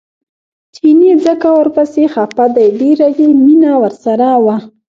چیني ځکه ورپسې خپه دی ډېره یې مینه ورسره وه.